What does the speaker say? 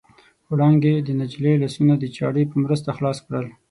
وړانګې د نجلۍ لاسونه د چاړې په مرسته خلاص کړل.